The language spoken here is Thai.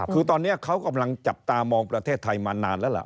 คือตอนนี้เขากำลังจับตามองประเทศไทยมานานแล้วล่ะ